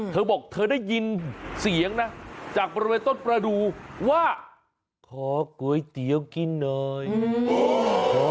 เธอบอกเธอได้ยินเสียงนะจากประเทศประดูว่าก๋อก๋วยเตี้ยวกินนี้